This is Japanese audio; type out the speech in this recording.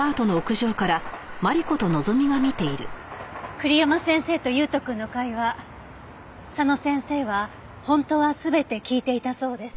栗山先生と悠斗くんの会話佐野先生は本当は全て聞いていたそうです。